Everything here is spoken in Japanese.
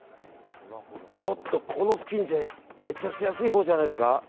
ちょっとこの付近じゃめちゃくちゃ安いほうじゃないですか。